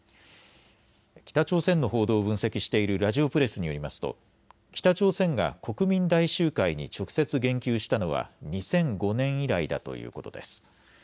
北朝鮮の報道を分析しているラヂオプレスによりますと北朝鮮が国民大集会に直接言及したのは２００５年以来だということです。